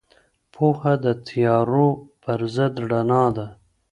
پوهه د تیارو پر ضد رڼا ده.